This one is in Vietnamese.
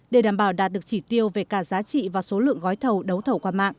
để đảm bảo đạt được chỉ tiêu về cả giá trị và số lượng gói thầu đấu thầu qua mạng